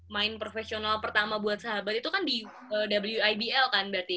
main profesional pertama buat sahabat itu kan di w ibl kan berarti